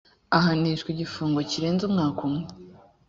ahanishwa igifungo kirenze umwaka umwe